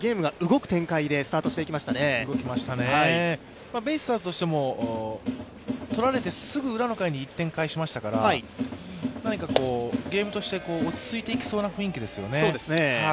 動きましたね、ベイスターズとしても取られてすぐ裏の回に１点返しましたからゲームとして落ち着いていきそうな雰囲気ですよね。